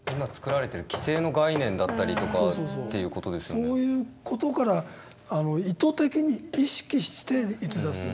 そういう事から意図的に意識して逸脱する。